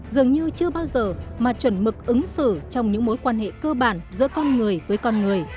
dường như chưa bao giờ mà chuẩn mực ứng xử trong những mối quan hệ cơ bản giữa con người với con người